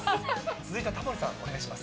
続いてはタモリさん、お願いしま